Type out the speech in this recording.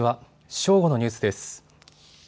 正午のニュースです。